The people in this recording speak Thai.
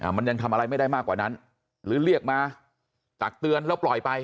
มันยังทำอะไรไม่ได้มากกว่านั้นหรือเรียกมาตักเตือนแล้วปล่อยไป